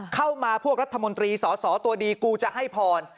เข้ามาพวกรัฐมนตรีสอตัวดีกูจะให้พร